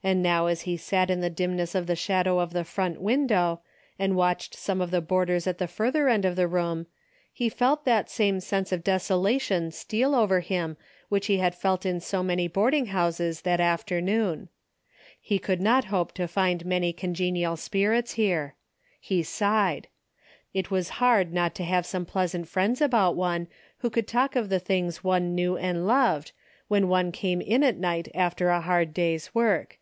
And now as he sat in the dimness of the shadow of the front window, and watched some of the boarders at the further end of the room, he felt that same sense of desolation steal over him which he had felt in so many boarding houses that af ternoon. He could not hope to find many congenial spirits here. He sighed. It was hard not to have some pleasant friends about one who could talk of the things one knew and loved, when one came in at night after a hard day's work.